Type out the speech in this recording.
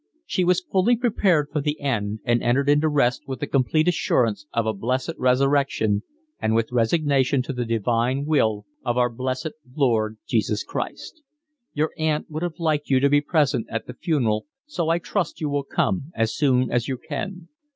She was fully prepared for the end and entered into rest with the complete assurance of a blessed resurrection and with resignation to the divine will of our blessed Lord Jesus Christ. Your Aunt would have liked you to be present at the funeral so I trust you will come as soon as you can.